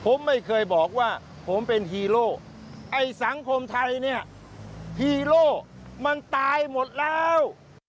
ผมไม่เคยบอกว่าผมเป็นฮีโร่ไอ้สังคมไทยเนี่ยฮีโร่มันตายหมดแล้ว